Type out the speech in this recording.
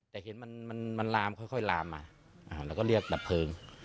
แต่เห็นมันมันมันลามค่อยค่อยลามอ่ะอ่าแล้วก็เรียกดับเพลิง